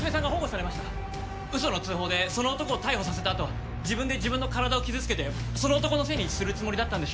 ウソの通報でその男を逮捕させた後自分で自分の体を傷つけてその男のせいにするつもりだったんでしょう。